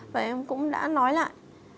và em cũng đã nói lại